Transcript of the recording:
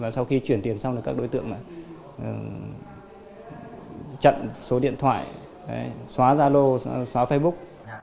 sau khi chuyển tiền xong các đối tượng chặn số điện thoại xóa gia lô xóa facebook